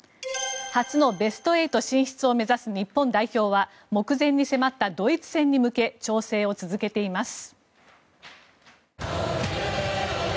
初のベスト８進出を目指す日本代表は目前に迫ったドイツ戦に向け調整を続けています。